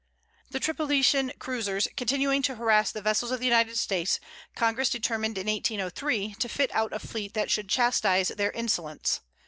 The Tripolitan cruisers continuing to harass the vessels of the United States, Congress determined in 1803, to fit out a fleet that should chastise their insolence.